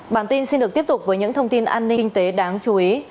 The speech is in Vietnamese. bản tin xin được tiếp tục với những thông tin an ninh kinh tế đáng chú ý